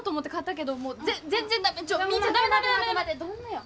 どんなよ。